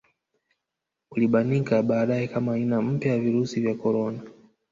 Ulibanika baadaye kama aina mpya ya virusi vya korona